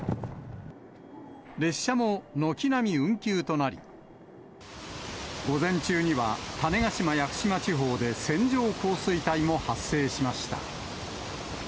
列車も軒並み運休となり、午前中には種子島・屋久島地方で線状降水帯も発生しました。